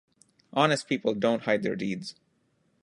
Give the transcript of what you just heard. Honest people don’t hide their deeds.